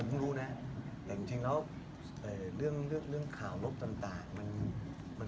มันเกี่ยวกับเรื่องงานโดยตรงด้วย